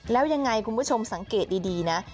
แล้วยังไงคุณผู้ชมสังเกตดีนะ